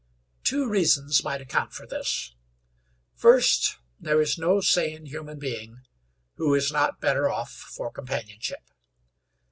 Two reasons might account for this: First, there is no sane human being who is not better off for companionship.